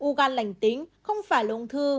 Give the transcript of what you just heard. u gan lành tính không phải là ung thư